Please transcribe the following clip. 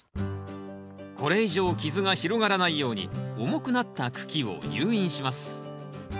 これ以上傷が広がらないように重くなった茎を誘引します